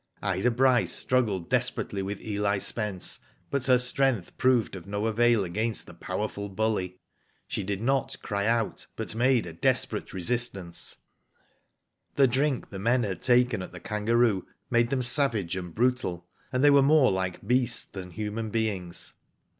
Ida Bryce struggled desperately with Eli Spence, but her strength proved of no avail against the powerful bully. She did not cry out, but made a desperate resistance. Digitized byGoogk TIVO^ BRAVE GIRLS. 173 The drink the men had taken at the " Kan garoo" made them savage and brutal, and they were more like beasts than human beings.